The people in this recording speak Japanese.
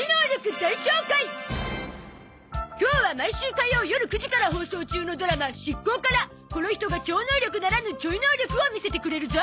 今日は毎週火曜よる９時から放送中のドラマ『シッコウ！！』からこの人が超能力ならぬちょい能力を見せてくれるゾ！